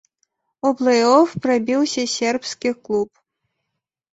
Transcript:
У плэй-оф прабіўся сербскі клуб.